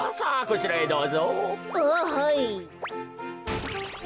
こちらへどうぞ。